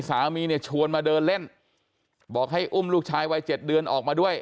สามีเนี่ยชวนมาเดินเล่นบอกให้อุ้มลูกชายวัย๗เดือนออกมาด้วย